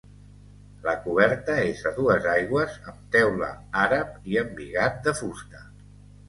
La coberta és a dues aigües amb teula àrab i embigat de fusta.